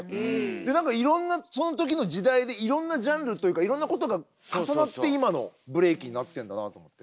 で何かいろんなその時の時代でいろんなジャンルというかいろんなことが重なって今のブレイキンになってんだなあと思って。